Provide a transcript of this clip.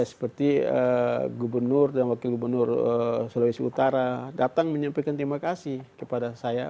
seperti gubernur dan wakil gubernur sulawesi utara datang menyampaikan terima kasih kepada saya